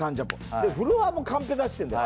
でフロアもカンペ出してんだよ。